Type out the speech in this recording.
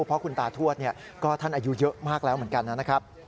เพราะคุณตาทวดก็ท่านอายุเยอะมากแล้วเหมือนกันนะครับ